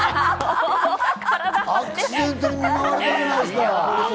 アクシデントに見舞われてるじゃないですか！